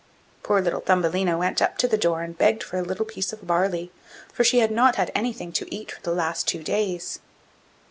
Poor little Thumbelina went up to the door and begged for a little piece of barley, for she had not had anything to eat for the last two days.